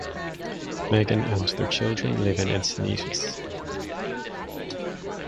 Meggan and their children live in Encinitas.